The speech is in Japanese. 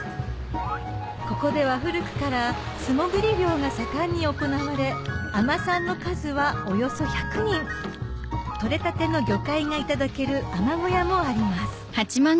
ここでは古くから素潜り漁が盛んに行われ海女さんの数はおよそ１００人取れたての魚介がいただける海女小屋もあります